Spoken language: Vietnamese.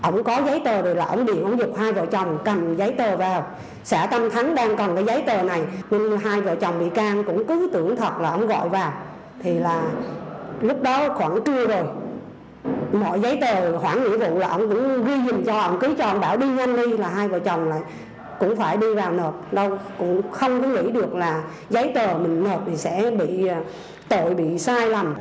nói chung là giấy tờ mình một thì sẽ bị tội bị sai lầm